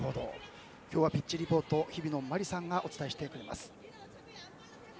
今日はピッチリポート日々野真理さんがお伝えしています。